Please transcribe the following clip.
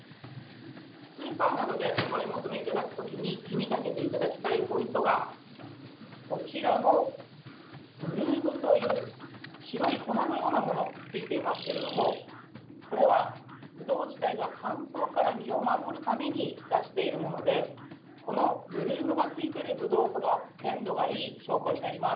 スーパーなどでお買い求めいただくときに気にかけていただきたいポイントがこちらのブルームという白い粉のようなものが付いていますけれどもこれは、ぶどう自体が乾燥から身を守るために出しているものでこのブルームがついているぶどうほど鮮度がいい証拠になります。